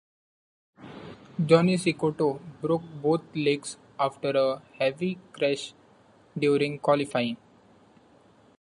Johnny Cecotto broke both legs after a heavy crash during qualifying.